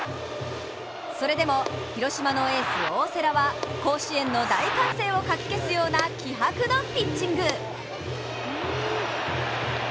それでも広島のエース・大瀬良は甲子園の大歓声をかき消すような気迫のピッチング。